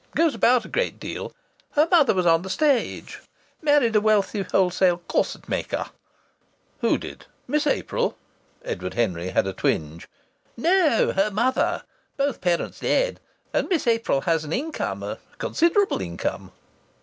Goes about a great deal. Her mother was on the stage. Married a wealthy wholesale corset maker." "Who did? Miss April?" Edward Henry had a twinge. "No. Her mother. Both parents dead, and Miss April has an income a considerable income."